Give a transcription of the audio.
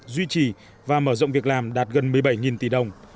duy trì và mở rộng việc làm đạt gần một mươi bảy tỷ đồng